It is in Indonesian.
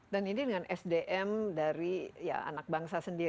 dan ini dengan sdm dari anak bangsa sendiri